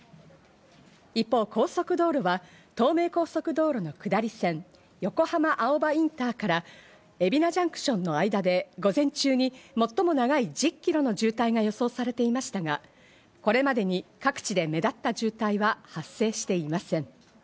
一方、高速道路は東名高速道路の下り線横浜青葉インターから海老名ジャンクションの間で午前中に最も長い１０キロの渋滞が予想されていましたが、これまでに各地で目立った渋滞は発生していません。